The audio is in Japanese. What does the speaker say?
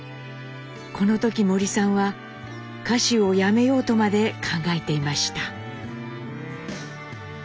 この時森さんは歌手をやめようとまで考えていました。